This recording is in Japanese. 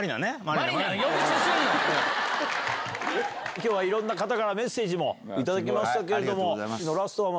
今日はいろんな方からメッセージも頂きました。